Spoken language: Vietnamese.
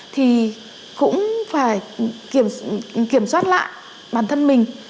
thì cũng phải kiểm soát lại bản thân mình